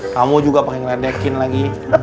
kamu juga pengen ngeledekin lagi